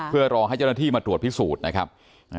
เพื่อรอให้เจ้าหน้าที่มาตรวจพิสูจน์นะครับ